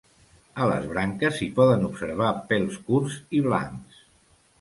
A les branques s'hi poden observar pèls curts i blancs.